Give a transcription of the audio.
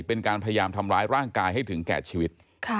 เป็นการพยายามทำร้ายร่างกายให้ถึงแก่ชีวิต